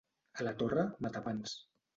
A la Torre, matapans.